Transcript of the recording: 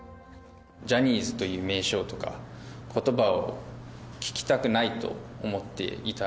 ジャニーズという名称とかことばを聞きたくないと思っていた。